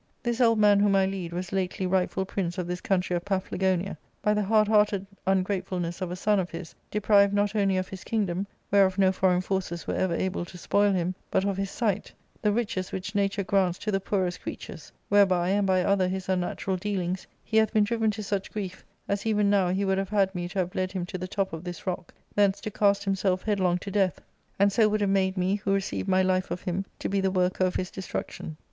This old man whom I lead was lately rightful prince of this country of Paphlagonia, by the hard hearted ungrateful ness of a son of his deprived not only of his kingdom, whereof no foreign forces were ever able to spoil him, but of his sight, the riches which nature grants to the poorest crea tures, whereby and by other his unnatural dealings, he hath been driven to such grief as even now he would have had me to have led him to the top of this rock,* thence to cast himself headlong to death, and so would have made me, who received my life of him, to be the worker of his destruction.